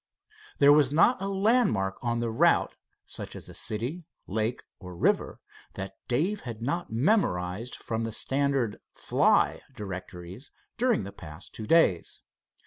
There was not a landmark on the route, such as a city, lake or river, that Dave had not memorized, from standard "fly" directories during the past two days.